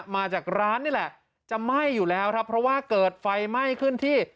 มาจากร้านนี่แหละจะไหม้อยู่แล้วครับเพราะว่าเกิดไฟไหม้ขึ้นที่